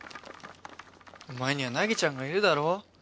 お前には凪ちゃんがいるだろ。